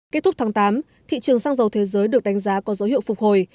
kết thúc tháng tám thị trường xăng dầu thế giới được đánh giá có dấu hiệu phục hồi